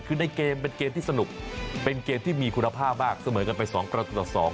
คือในเกมเป็นเกมที่สนุกเป็นเกมที่มีคุณภาพมากเสมอกันไป๒ประตูต่อ๒